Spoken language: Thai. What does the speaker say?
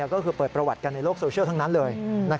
ก็คือเปิดประวัติกันในโลกโซเชียลทั้งนั้นเลย